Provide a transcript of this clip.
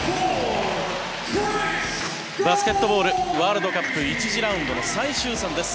バスケットボールワールドカップ１次ラウンドの最終戦です。